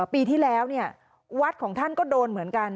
ปีที่แล้ววัดของท่านก็โดนเหมือนกัน